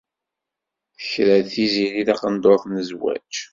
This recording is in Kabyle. Tekra-d Tiziri taqendurt n zzwaǧ.